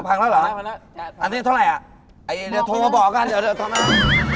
พังแล้วหรออันทีเท่าไหร่อ่ะไอ้เดี๋ยวโทรบอกกัน